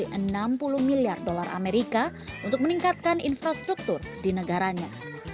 dari enam puluh miliar dolar amerika untuk meningkatkan infrastruktur di negaranya